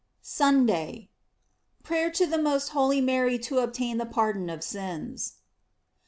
SUNDAY. Prayer to the most holy Mary to obtain the pardon of tint.